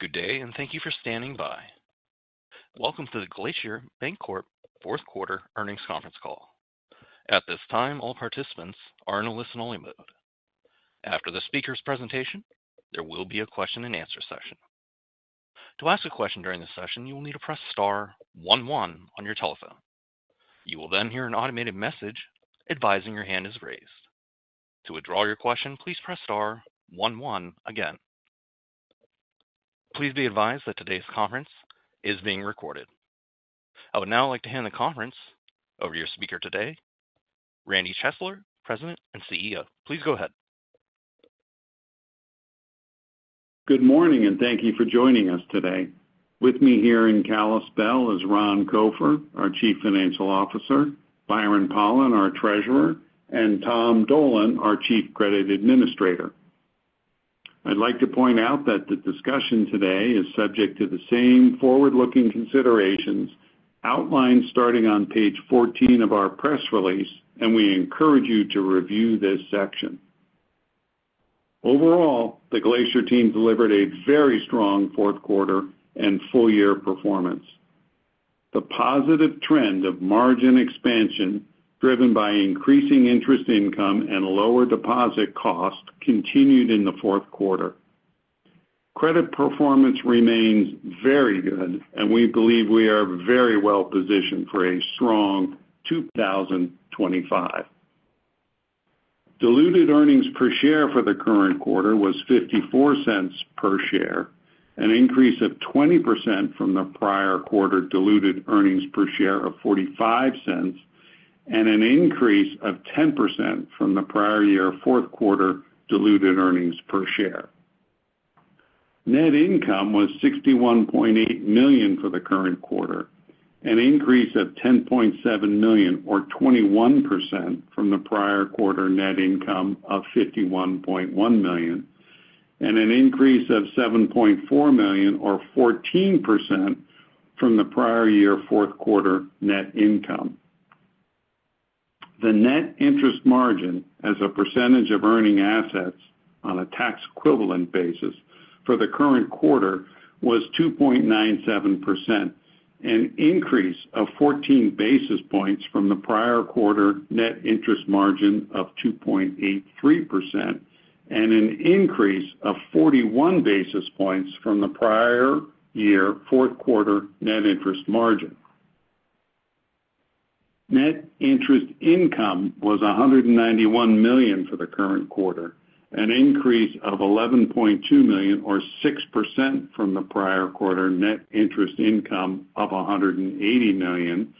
Good day, and thank you for standing by. Welcome to the Glacier Bancorp fourth quarter earnings conference call. At this time, all participants are in a listen-only mode. After the speaker's presentation, there will be a question-and-answer session. To ask a question during this session, you will need to press star one one on your telephone. You will then hear an automated message advising your hand is raised. To withdraw your question, please press star one one again. Please be advised that today's conference is being recorded. I would now like to hand the conference over to your speaker today, Randy Chesler, President and CEO. Please go ahead. Good morning, and thank you for joining us today. With me here in Kalispell is Ron Copher, our Chief Financial Officer, Byron Pollan, our Treasurer, and Tom Dolan, our Chief Credit Administrator. I'd like to point out that the discussion today is subject to the same forward-looking considerations outlined starting on page 14 of our press release, and we encourage you to review this section. Overall, the Glacier team delivered a very strong fourth quarter and full-year performance. The positive trend of margin expansion, driven by increasing interest income and lower deposit cost, continued in the fourth quarter. Credit performance remains very good, and we believe we are very well positioned for a strong 2025. Diluted earnings per share for the current quarter was $0.54 per share, an increase of 20% from the prior quarter diluted earnings per share of $0.45, and an increase of 10% from the prior year fourth quarter diluted earnings per share. Net income was $61.8 million for the current quarter, an increase of $10.7 million, or 21% from the prior quarter net income of $51.1 million, and an increase of $7.4 million, or 14% from the prior year fourth quarter net income. The net interest margin as a percentage of earning assets on a tax equivalent basis for the current quarter was 2.97%, an increase of 14 basis points from the prior quarter net interest margin of 2.83%, and an increase of 41 basis points from the prior year fourth quarter net interest margin. Net interest income was $191 million for the current quarter, an increase of $11.2 million, or 6% from the prior quarter net interest income of $180 million,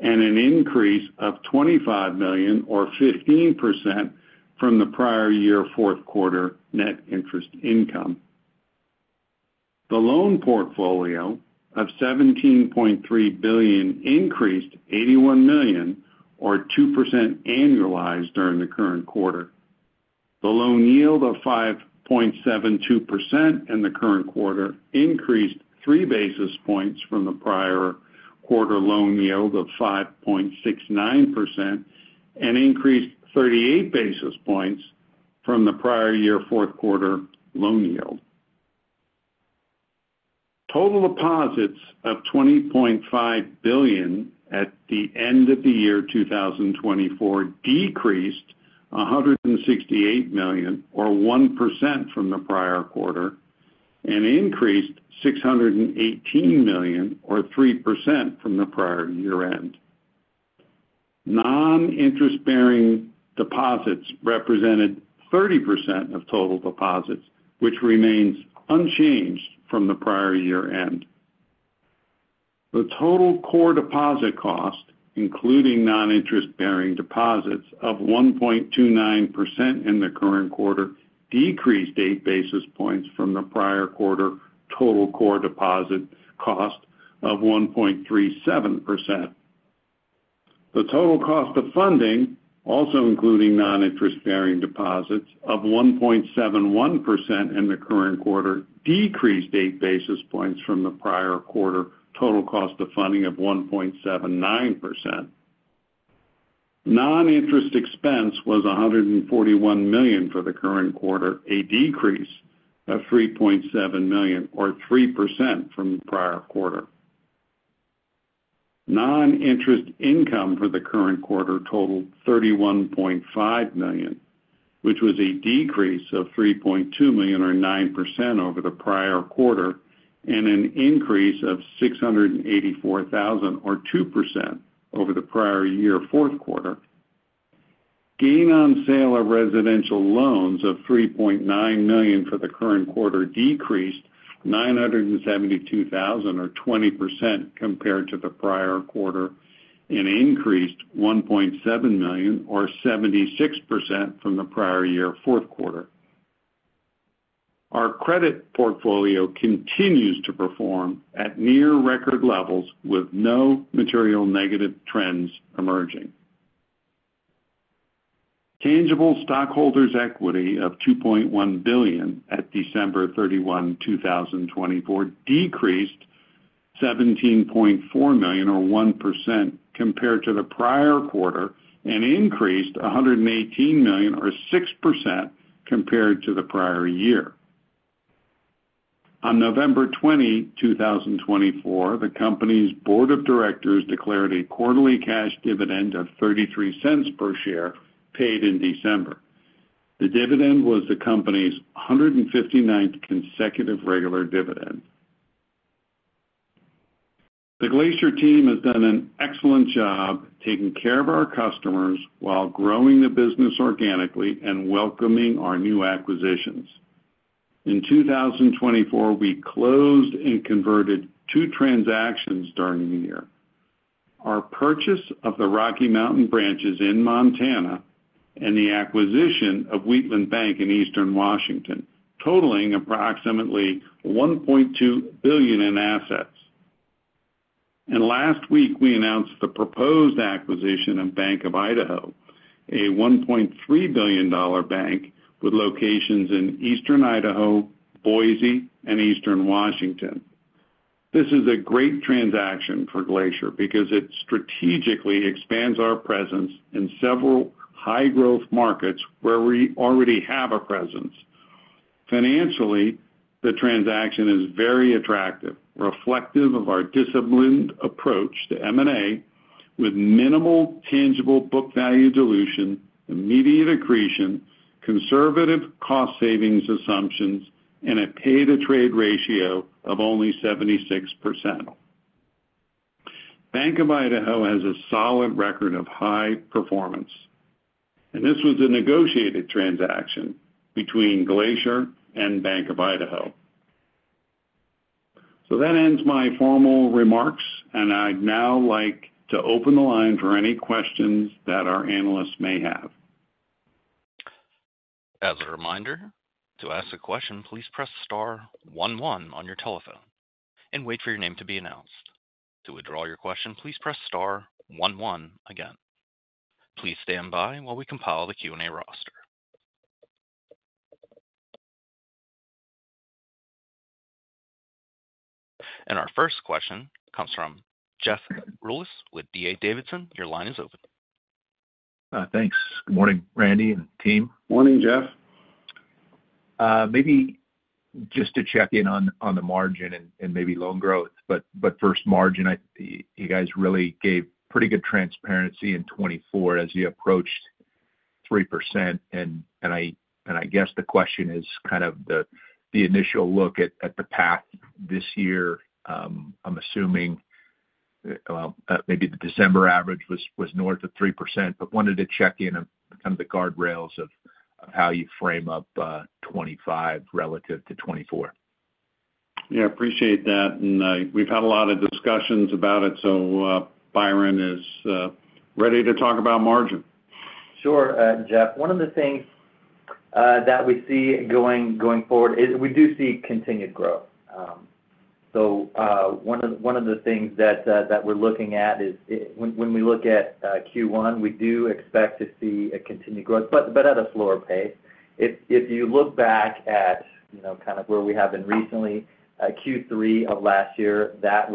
and an increase of $25 million, or 15% from the prior year fourth quarter net interest income. The loan portfolio of $17.3 billion increased $81 million, or 2% annualized during the current quarter. The loan yield of 5.72% in the current quarter increased 3 basis points from the prior quarter loan yield of 5.69%, and increased 38 basis points from the prior year fourth quarter loan yield. Total deposits of $20.5 billion at the end of the year 2024 decreased $168 million, or 1% from the prior quarter, and increased $618 million, or 3% from the prior year end. Non-interest-bearing deposits represented 30% of total deposits, which remains unchanged from the prior year end. The total core deposit cost, including non-interest-bearing deposits, of 1.29% in the current quarter decreased 8 basis points from the prior quarter total core deposit cost of 1.37%. The total cost of funding, also including non-interest-bearing deposits, of 1.71% in the current quarter decreased 8 basis points from the prior quarter total cost of funding of 1.79%. Non-interest expense was $141 million for the current quarter, a decrease of $3.7 million, or 3% from the prior quarter. Non-interest income for the current quarter totaled $31.5 million, which was a decrease of $3.2 million, or 9% over the prior quarter, and an increase of $684,000, or 2% over the prior year fourth quarter. Gain on sale of residential loans of $3.9 million for the current quarter decreased $972,000, or 20% compared to the prior quarter, and increased $1.7 million, or 76% from the prior year fourth quarter. Our credit portfolio continues to perform at near-record levels, with no material negative trends emerging. Tangible stockholders' equity of $2.1 billion at December 31, 2024, decreased $17.4 million, or 1%, compared to the prior quarter, and increased $118 million, or 6%, compared to the prior year. On November 20, 2024, the company's board of directors declared a quarterly cash dividend of $0.33 per share paid in December. The dividend was the company's 159th consecutive regular dividend. The Glacier team has done an excellent job taking care of our customers while growing the business organically and welcoming our new acquisitions. In 2024, we closed and converted two transactions during the year: our purchase of the Rocky Mountain branches in Montana and the acquisition of Wheatland Bank in Eastern Washington, totaling approximately $1.2 billion in assets. And last week, we announced the proposed acquisition of Bank of Idaho, a $1.3 billion bank with locations in Eastern Idaho, Boise, and Eastern Washington. This is a great transaction for Glacier because it strategically expands our presence in several high-growth markets where we already have a presence. Financially, the transaction is very attractive, reflective of our disciplined approach to M&A with minimal tangible book value dilution, immediate accretion, conservative cost savings assumptions, and a pay-to-trade ratio of only 76%. Bank of Idaho has a solid record of high performance, and this was a negotiated transaction between Glacier and Bank of Idaho. So that ends my formal remarks, and I'd now like to open the line for any questions that our analysts may have. As a reminder, to ask a question, please press star one one on your telephone and wait for your name to be announced. To withdraw your question, please press star one one again. Please stand by while we compile the Q&A roster. And our first question comes from Jeff Rulis with D.A. Davidson. Your line is open. Thanks. Good morning, Randy and team. Morning, Jeff. Maybe just to check in on the margin and maybe loan growth, but first, margin, you guys really gave pretty good transparency in 2024 as you approached 3%. And I guess the question is kind of the initial look at the path this year. I'm assuming maybe the December average was north of 3%, but wanted to check in on kind of the guardrails of how you frame up 2025 relative to 2024. Yeah, appreciate that. And we've had a lot of discussions about it, so Byron is ready to talk about margin. Sure, Jeff. One of the things that we see going forward is we do see continued growth, so one of the things that we're looking at is when we look at Q1, we do expect to see a continued growth, but at a slower pace. If you look back at kind of where we have been recently, Q3 of last year, that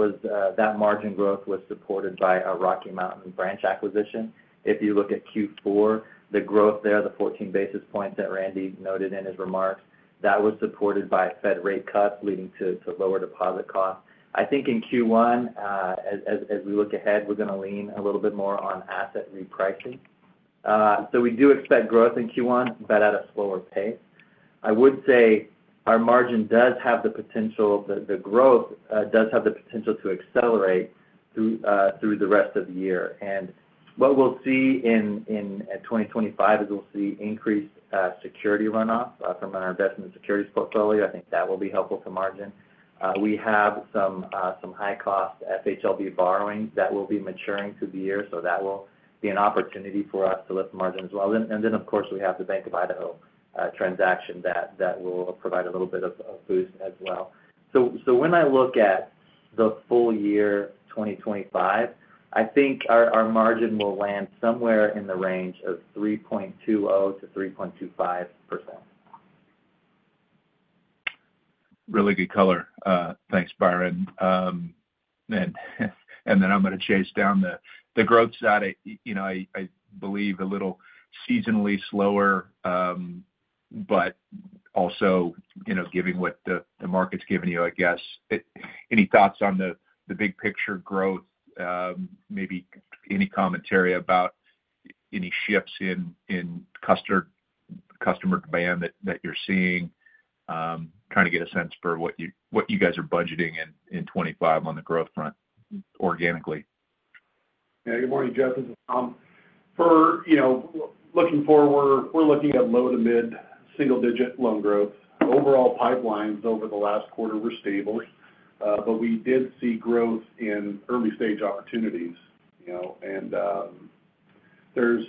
margin growth was supported by a Rocky Mountain Bank acquisition. If you look at Q4, the growth there, the 14 basis points that Randy noted in his remarks, that was supported by Fed rate cuts leading to lower deposit costs. I think in Q1, as we look ahead, we're going to lean a little bit more on asset repricing, so we do expect growth in Q1, but at a slower pace. I would say our margin does have the potential. The growth does have the potential to accelerate through the rest of the year. And what we'll see in 2025 is we'll see increased security runoff from our investment securities portfolio. I think that will be helpful to margin. We have some high-cost FHLB borrowing that will be maturing through the year, so that will be an opportunity for us to lift margin as well. And then, of course, we have the Bank of Idaho transaction that will provide a little bit of a boost as well. So when I look at the full year 2025, I think our margin will land somewhere in the range of 3.20%-3.25%. Really good color. Thanks, Byron. And then I'm going to chase down the growth side. I believe a little seasonally slower, but also giving what the market's giving you, I guess. Any thoughts on the big picture growth? Maybe any commentary about any shifts in customer demand that you're seeing? Trying to get a sense for what you guys are budgeting in 2025 on the growth front organically. Yeah, good morning, Jeff. This is Tom. Looking forward, we're looking at low to mid single-digit loan growth. Overall pipelines over the last quarter were stable, but we did see growth in early-stage opportunities. And there's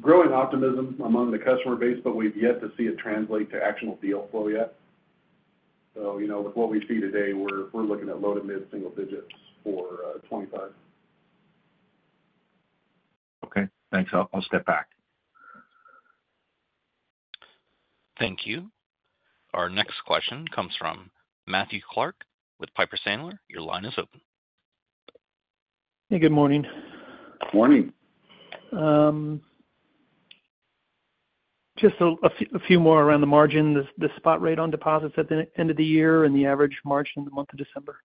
growing optimism among the customer base, but we've yet to see it translate to actual deal flow yet. So with what we see today, we're looking at low to mid single digits for 2025. Okay. Thanks. I'll step back. Thank you. Our next question comes from Matthew Clark with Piper Sandler. Your line is open. Hey, good morning. Morning. Just a few more around the margin, the spot rate on deposits at the end of the year and the average margin in the month of December.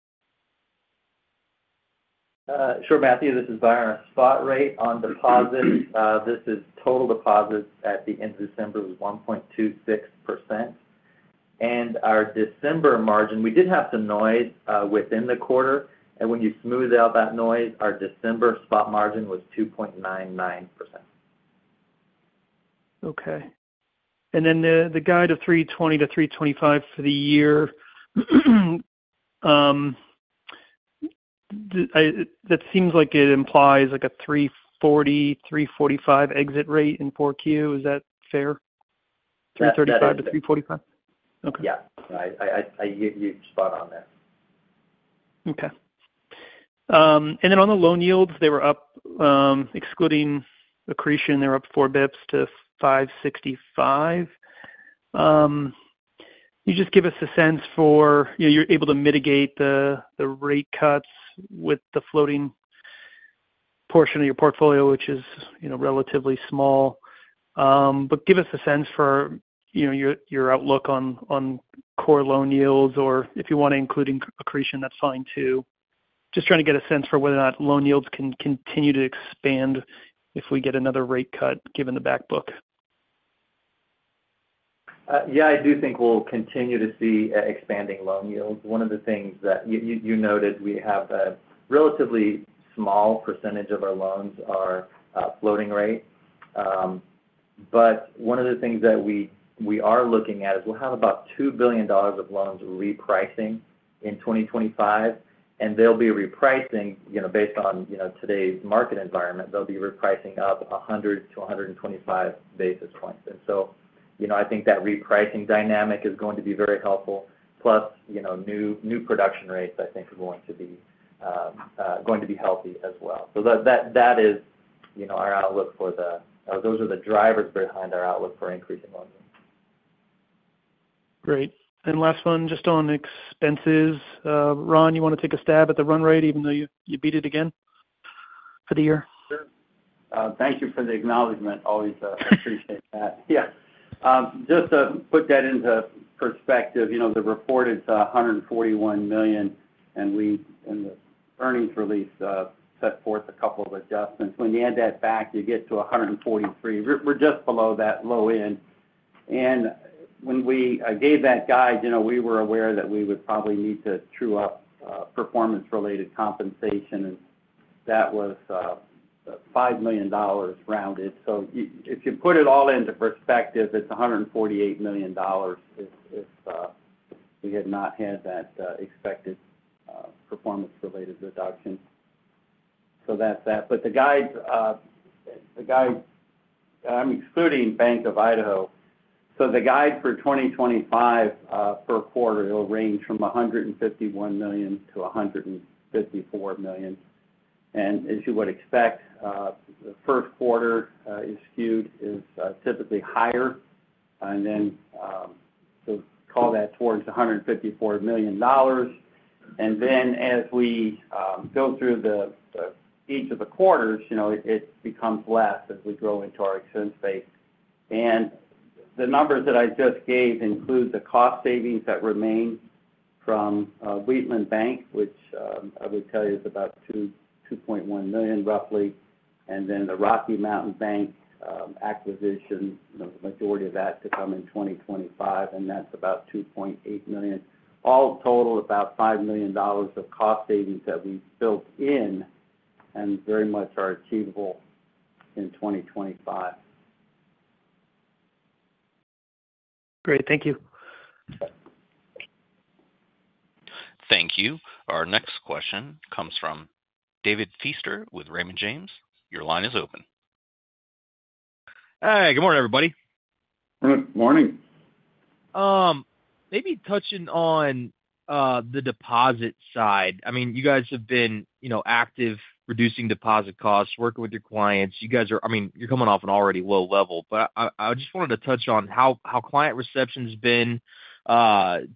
Sure, Matthew. This is Byron. Spot rate on deposits, this is total deposits at the end of December, was 1.26%, and our December margin, we did have some noise within the quarter, and when you smooth out that noise, our December spot margin was 2.99%. Okay, and then the guide of 320-325 for the year, that seems like it implies like a 340, 345 exit rate in 4Q. Is that fair? 335-345? Yeah. Yeah. You're spot on there. Okay. And then on the loan yields, they were up, excluding accretion, they were up four basis points to 565. You just give us a sense for you're able to mitigate the rate cuts with the floating portion of your portfolio, which is relatively small. But give us a sense for your outlook on core loan yields, or if you want to include accretion, that's fine too. Just trying to get a sense for whether or not loan yields can continue to expand if we get another rate cut given the back book. Yeah, I do think we'll continue to see expanding loan yields. One of the things that you noted, we have a relatively small percentage of our loans are floating rate. But one of the things that we are looking at is we'll have about $2 billion of loans repricing in 2025, and they'll be repricing based on today's market environment. They'll be repricing up 100-125 basis points. And so I think that repricing dynamic is going to be very helpful. Plus, new production rates, I think, are going to be healthy as well. So that is our outlook for those are the drivers behind our outlook for increasing loans. Great. And last one, just on expenses. Ron, you want to take a stab at the run rate, even though you beat it again for the year? Sure. Thank you for the acknowledgment. Always appreciate that. Yeah. Just to put that into perspective, the report is $141 million, and the earnings release set forth a couple of adjustments. When you add that back, you get to $143 million. We're just below that low end. And when we gave that guide, we were aware that we would probably need to true up performance-related compensation, and that was $5 million rounded. So if you put it all into perspective, it's $148 million if we had not had that expected performance-related reduction. So that's that. But the guide, I'm excluding Bank of Idaho. So the guide for 2025 per quarter will range from $151 million-$154 million. And as you would expect, the first quarter is skewed, is typically higher, and then call that towards $154 million. And then as we go through each of the quarters, it becomes less as we grow into our expense base. And the numbers that I just gave include the cost savings that remain from Wheatland Bank, which I would tell you is about $2.1 million, roughly. And then the Rocky Mountain Bank acquisition, the majority of that to come in 2025, and that's about $2.8 million. All total about $5 million of cost savings that we built in and very much are achievable in 2025. Great. Thank you. Thank you. Our next question comes from David Feaster with Raymond James. Your line is open. Hey, good morning, everybody. Good morning. Maybe touching on the deposit side. I mean, you guys have been active, reducing deposit costs, working with your clients. You guys are, I mean, you're coming off an already low level, but I just wanted to touch on how client reception has been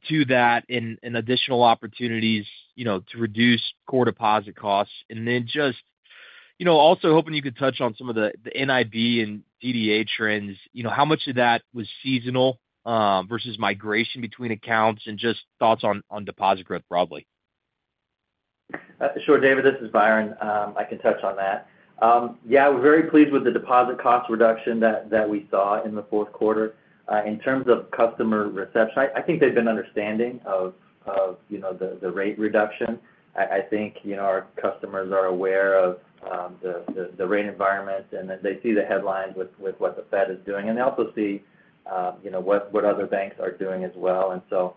to that and additional opportunities to reduce core deposit costs. And then just also hoping you could touch on some of the NIB and DDA trends. How much of that was seasonal versus migration between accounts and just thoughts on deposit growth broadly? Sure, David. This is Byron. I can touch on that. Yeah, we're very pleased with the deposit cost reduction that we saw in the fourth quarter. In terms of customer reception, I think they've been understanding of the rate reduction. I think our customers are aware of the rate environment, and they see the headlines with what the Fed is doing and they also see what other banks are doing as well. And so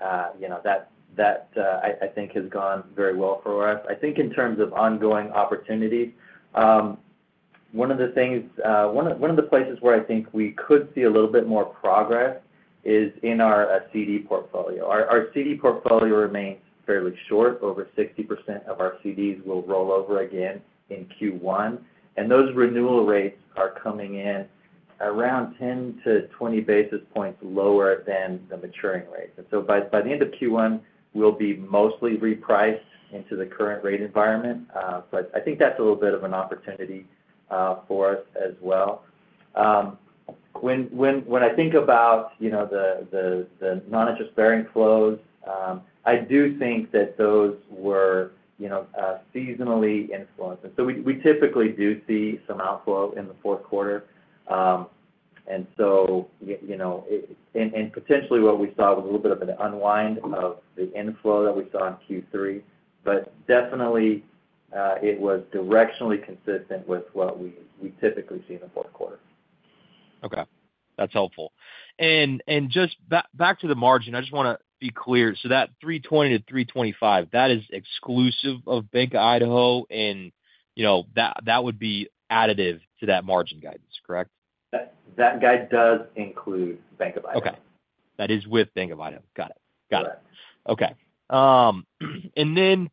that, I think, has gone very well for us. I think in terms of ongoing opportunities, one of the things, one of the places where I think we could see a little bit more progress is in our CD portfolio. Our CD portfolio remains fairly short. Over 60% of our CDs will roll over again in Q1, and those renewal rates are coming in around 10-20 basis points lower than the maturing rate. And so by the end of Q1, we'll be mostly repriced into the current rate environment. But I think that's a little bit of an opportunity for us as well. When I think about the non-interest-bearing flows, I do think that those were seasonally influenced. And so we typically do see some outflow in the fourth quarter. And so potentially what we saw was a little bit of an unwind of the inflow that we saw in Q3, but definitely it was directionally consistent with what we typically see in the fourth quarter. Okay. That's helpful. And just back to the margin, I just want to be clear. So that 320-325, that is exclusive of Bank of Idaho, and that would be additive to that margin guidance, correct? That guide does include Bank of Idaho. Okay. That is with Bank of Idaho. Got it. Got it. Okay. And then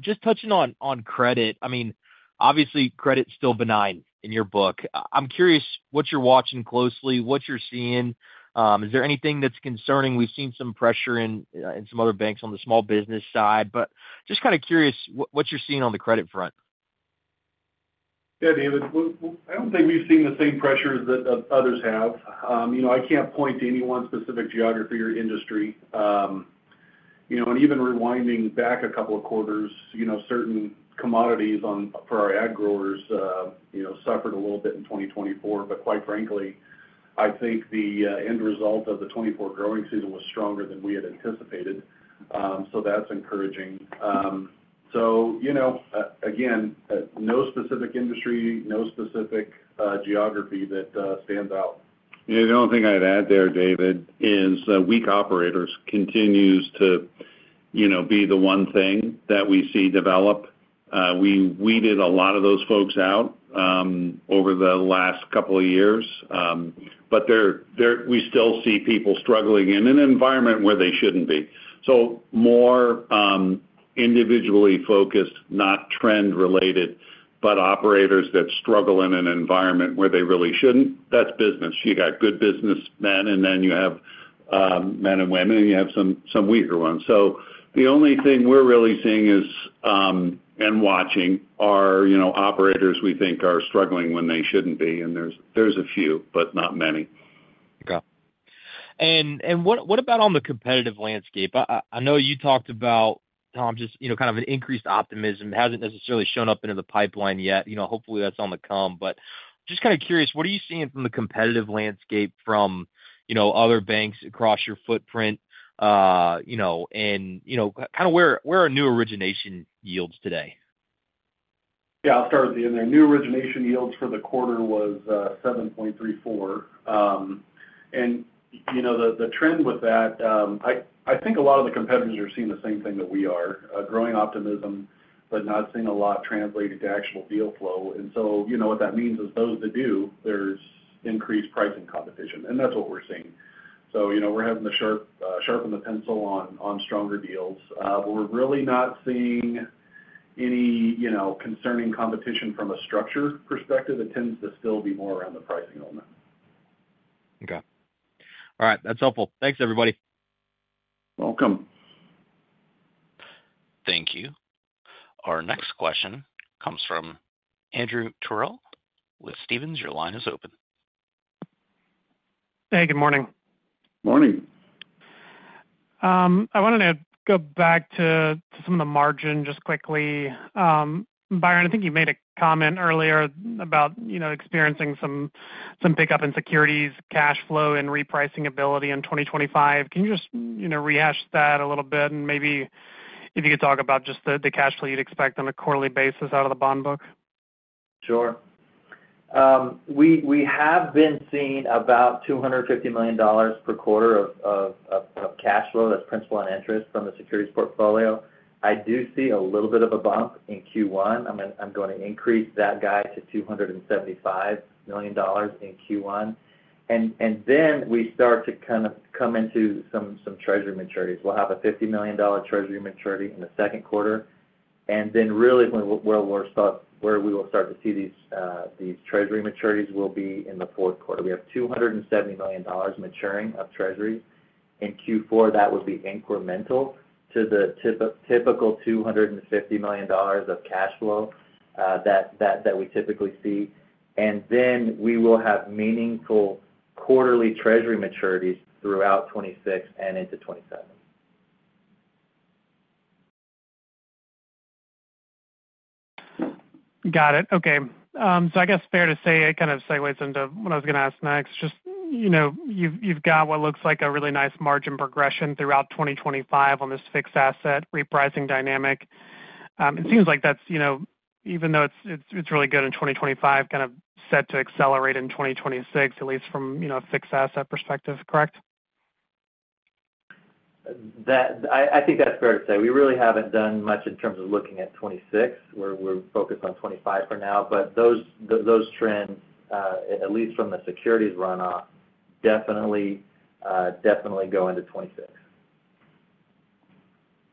just touching on credit, I mean, obviously credit's still benign in your book. I'm curious what you're watching closely, what you're seeing. Is there anything that's concerning? We've seen some pressure in some other banks on the small business side, but just kind of curious what you're seeing on the credit front. Yeah, David. I don't think we've seen the same pressures that others have. I can't point to any one specific geography or industry. And even rewinding back a couple of quarters, certain commodities for our ag growers suffered a little bit in 2024. But quite frankly, I think the end result of the 2024 growing season was stronger than we had anticipated. So that's encouraging. So again, no specific industry, no specific geography that stands out. Yeah. The only thing I'd add there, David, is weak operators continues to be the one thing that we see develop. We weeded a lot of those folks out over the last couple of years, but we still see people struggling in an environment where they shouldn't be. So more individually focused, not trend-related, but operators that struggle in an environment where they really shouldn't, that's business. You got good businessmen, and then you have men and women, and you have some weaker ones. So the only thing we're really seeing and watching are operators we think are struggling when they shouldn't be. And there's a few, but not many. Okay. And what about on the competitive landscape? I know you talked about kind of an increased optimism. It hasn't necessarily shown up into the pipeline yet. Hopefully, that's on the come. But just kind of curious, what are you seeing from the competitive landscape from other banks across your footprint? And kind of where are new origination yields today? Yeah. I'll start at the end there. New origination yields for the quarter was 7.34%. And the trend with that, I think a lot of the competitors are seeing the same thing that we are: growing optimism, but not seeing a lot translated to actual deal flow. And so what that means is those that do, there's increased pricing competition. And that's what we're seeing. So we're having to sharpen the pencil on stronger deals. But we're really not seeing any concerning competition from a structure perspective. It tends to still be more around the pricing element. Okay. All right. That's helpful. Thanks, everybody. Welcome. Thank you. Our next question comes from Andrew Terrell with Stephens. Your line is open. Hey, good morning. Morning. I want to go back to some of the margin just quickly. Byron, I think you made a comment earlier about experiencing some pickup in securities, cash flow, and repricing ability in 2025. Can you just rehash that a little bit, and maybe if you could talk about just the cash flow you'd expect on a quarterly basis out of the bond book? Sure. We have been seeing about $250 million per quarter of cash flow as principal and interest from the securities portfolio. I do see a little bit of a bump in Q1. I'm going to increase that guide to $275 million in Q1, and then we start to kind of come into some Treasury maturities. We'll have a $50 million Treasury maturity in the second quarter, and then really where we will start to see these Treasury maturities will be in the fourth quarter. We have $270 million maturing of Treasuries. In Q4, that would be incremental to the typical $250 million of cash flow that we typically see, and then we will have meaningful quarterly Treasury maturities throughout 2026 and into 2027. Got it. Okay. So I guess fair to say it kind of segues into what I was going to ask next. Just you've got what looks like a really nice margin progression throughout 2025 on this fixed asset repricing dynamic. It seems like that's, even though it's really good in 2025, kind of set to accelerate in 2026, at least from a fixed asset perspective, correct? I think that's fair to say. We really haven't done much in terms of looking at 2026. We're focused on 2025 for now. But those trends, at least from the securities run-off, definitely go into 2026.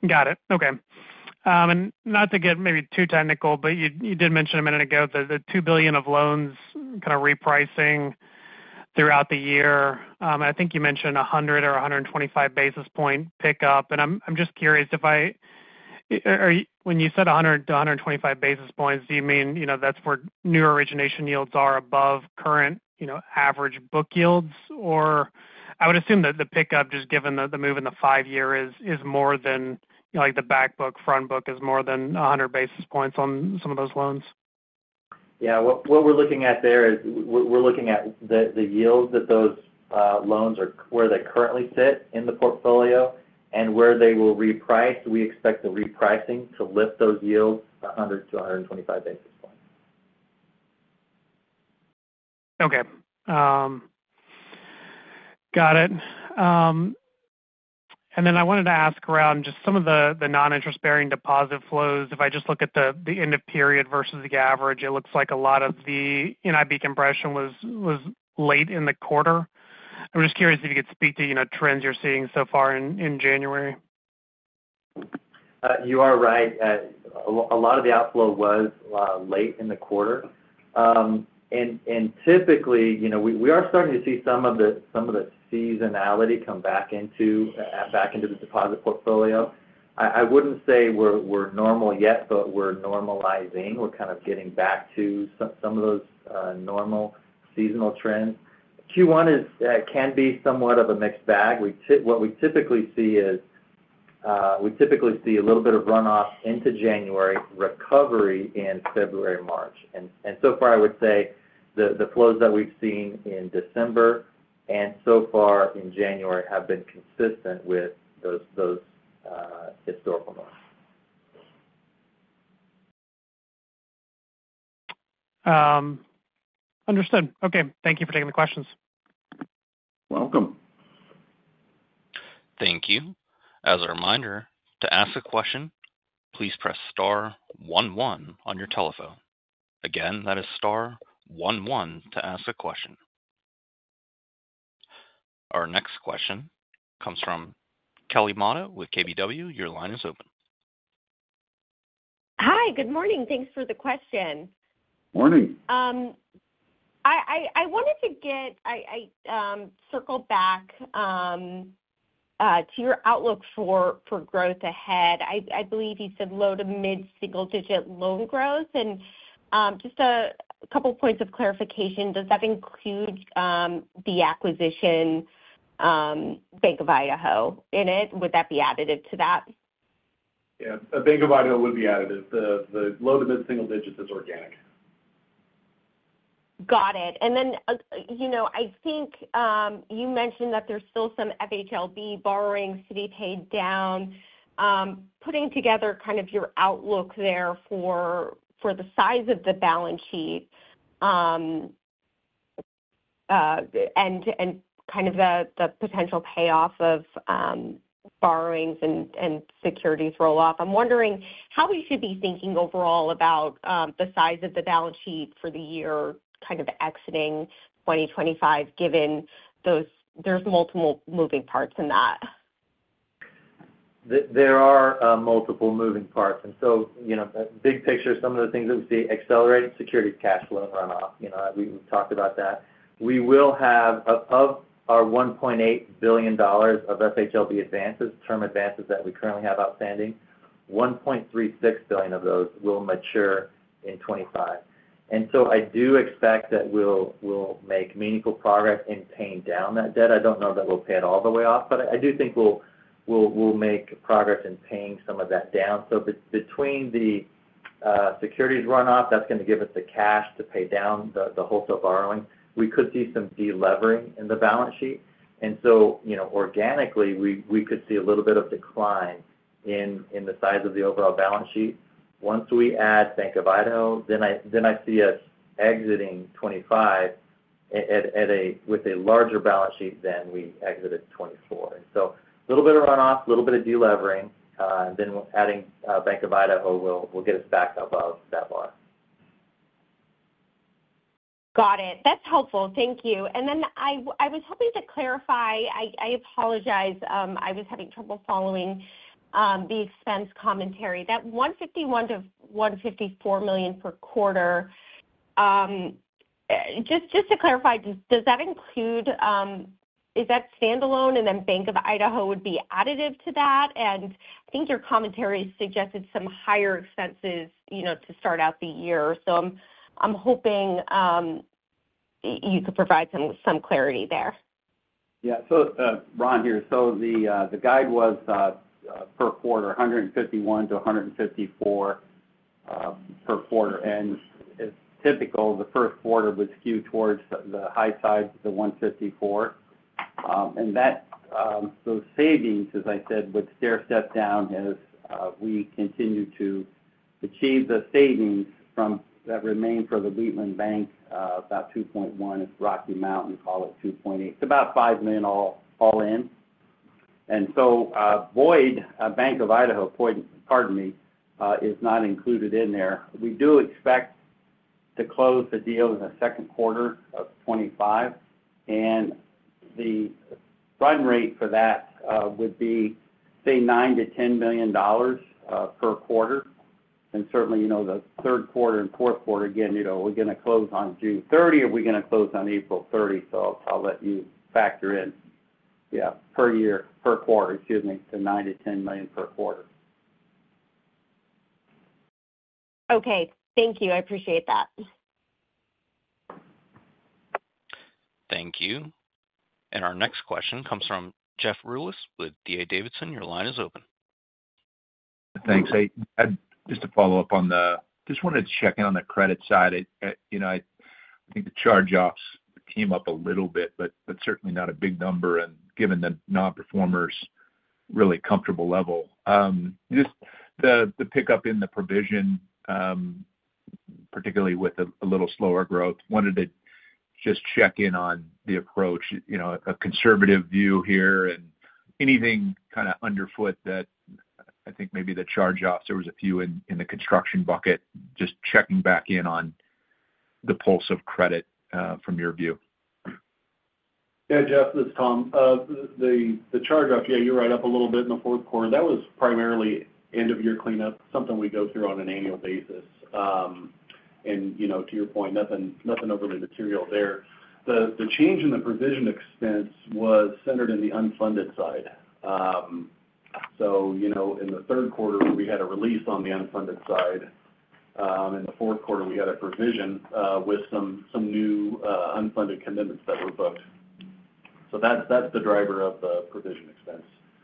Got it. Okay. And not to get maybe too technical, but you did mention a minute ago the $2 billion of loans kind of repricing throughout the year. I think you mentioned 100 or 125 basis point pickup. And I'm just curious, when you said 100 to 125 basis points, do you mean that's where new origination yields are above current average book yields? Or I would assume that the pickup, just given the move in the five year, is more than the back book, front book is more than 100 basis points on some of those loans? Yeah. What we're looking at there is we're looking at the yields that those loans are where they currently sit in the portfolio and where they will reprice. We expect the repricing to lift those yields 100-125 basis points. Okay. Got it. And then I wanted to ask around just some of the non-interest bearing deposit flows. If I just look at the end of period versus the average, it looks like a lot of the NIB compression was late in the quarter. I'm just curious if you could speak to trends you're seeing so far in January? You are right. A lot of the outflow was late in the quarter. And typically, we are starting to see some of the seasonality come back into the deposit portfolio. I wouldn't say we're normal yet, but we're normalizing. We're kind of getting back to some of those normal seasonal trends. Q1 can be somewhat of a mixed bag. What we typically see is a little bit of run-off into January, recovery in February and March. And so far, I would say the flows that we've seen in December and so far in January have been consistent with those historical norms. Understood. Okay. Thank you for taking the questions. Welcome. Thank you. As a reminder, to ask a question, please press star one one on your telephone. Again, that is star one one to ask a question. Our next question comes from Kelly Motta with KBW. Your line is open. Hi. Good morning. Thanks for the question. Morning. I wanted to circle back to your outlook for growth ahead. I believe you said low to mid-single-digit loan growth, and just a couple of points of clarification. Does that include the acquisition Bank of Idaho in it? Would that be additive to that? Yeah. Bank of Idaho would be additive. The low to mid-single digits is organic. Got it. And then I think you mentioned that there's still some FHLB borrowings we paid down. Putting together kind of your outlook there for the size of the balance sheet and kind of the potential payoff of borrowings and securities roll-off. I'm wondering how we should be thinking overall about the size of the balance sheet for the year kind of exiting 2025, given there's multiple moving parts in that. There are multiple moving parts. And so, big picture, some of the things that we see accelerate securities cash flow run-off. We've talked about that. We will have of our $1.8 billion of FHLB advances, term advances that we currently have outstanding, $1.36 billion of those will mature in 2025. And so I do expect that we'll make meaningful progress in paying down that debt. I don't know that we'll pay it all the way off, but I do think we'll make progress in paying some of that down. So between the securities run-off, that's going to give us the cash to pay down the wholesale borrowing. We could see some delevering in the balance sheet. And so organically, we could see a little bit of decline in the size of the overall balance sheet. Once we add Bank of Idaho, then I see us exiting 2025 with a larger balance sheet than we exited 2024. And so a little bit of run-off, a little bit of delevering, then adding Bank of Idaho will get us back above that bar. Got it. That's helpful. Thank you. And then I was hoping to clarify, I apologize. I was having trouble following the expense commentary. That $151 million-$154 million per quarter, just to clarify, does that include, is that standalone? And then Bank of Idaho would be additive to that. And I think your commentary suggested some higher expenses to start out the year. So I'm hoping you could provide some clarity there. Yeah. So Ron here. So the guide was per quarter 151-154 per quarter. And as typical, the first quarter was skewed towards the high side, the 154. And those savings, as I said, would stair step down as we continue to achieve the savings that remain for the Wheatland Bank, about $2.1 million. It's Rocky Mountain. Call it $2.8 million. It's about $5 million all in. And so the Bank of Idaho—pardon me—is not included in there. We do expect to close the deal in the second quarter of 2025. And the run rate for that would be, say, $9 million-$10 million per quarter. And certainly, the third quarter and fourth quarter, again, we're going to close on June 30, or we're going to close on April 30. So I'll let you factor in, yeah, per year, per quarter, excuse me, $9 million-$10 million per quarter. Okay. Thank you. I appreciate that. Thank you. And our next question comes from Jeff Rulis with D.A. Davidson. Your line is open. Thanks, Daniel. Just wanted to check in on the credit side. I think the charge-offs came up a little bit, but certainly not a big number, and given the nonperformers' really comfortable level. Just the pickup in the provision, particularly with a little slower growth. Wanted to just check in on the approach, a conservative view here, and anything kind of underfoot that I think maybe the charge-offs, there were a few in the construction bucket, just checking back in on the pulse of credit from your view. Yeah, Jeff, this is Tom. The charge-off, yeah, you're right, up a little bit in the fourth quarter. That was primarily end-of-year cleanup, something we go through on an annual basis, and to your point, nothing overly material there. The change in the provision expense was centered in the unfunded side. So in the third quarter, we had a release on the unfunded side. In the fourth quarter, we had a provision with some new unfunded commitments that were booked. So that's the driver of the provision expense.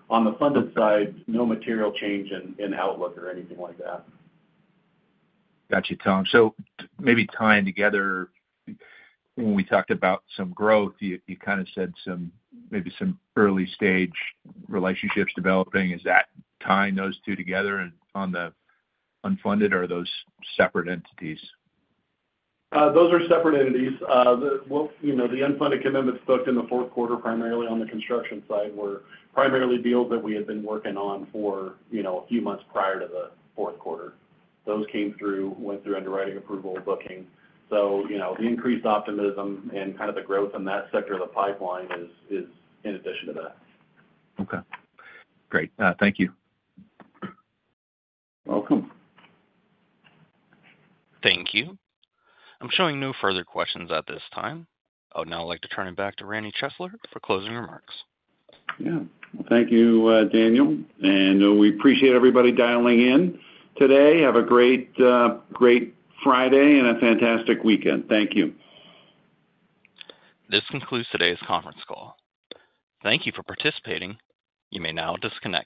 On the funded side, no material change in outlook or anything like that. Gotcha, Tom. So maybe tying together, when we talked about some growth, you kind of said maybe some early-stage relationships developing. Is that tying those two together? And on the unfunded, are those separate entities? Those are separate entities. The unfunded commitments booked in the fourth quarter primarily on the construction side were primarily deals that we had been working on for a few months prior to the fourth quarter. Those came through, went through underwriting approval, booking. So the increased optimism and kind of the growth in that sector of the pipeline is in addition to that. Okay. Great. Thank you. Welcome. Thank you. I'm showing no further questions at this time. I would now like to turn it back to Randy Chesler for closing remarks. Yeah. Thank you, Daniel, and we appreciate everybody dialing in today. Have a great Friday and a fantastic weekend. Thank you. This concludes today's conference call. Thank you for participating. You may now disconnect.